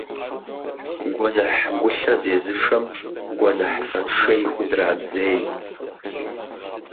Гуэныхь гулъэ зезышэм гуэныхь фэншей худрадзей.